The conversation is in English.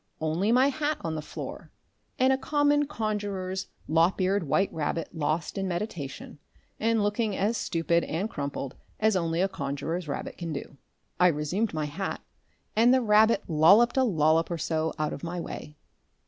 Only my hat on the floor, and a common conjurer's lop eared white rabbit lost in meditation, and looking as stupid and crumpled as only a conjurer's rabbit can do. I resumed my hat, and the rabbit lolloped a lollop or so out of my way.